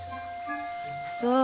そう。